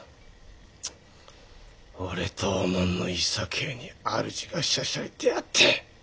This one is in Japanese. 俺とおもんの諍えに主がしゃしゃり出やがって。